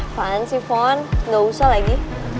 apaan sih fon gak usah lagi